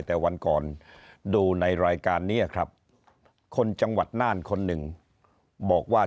แต่วันก่อนดูในรายการนี้ครับคนจังหวัดน่านคนหนึ่งบอกว่า